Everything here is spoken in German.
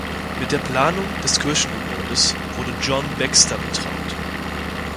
Mit der Planung des Kirchengebäudes wurde "John Baxter" betraut.